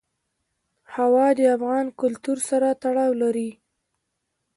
هوا د افغان کلتور سره تړاو لري.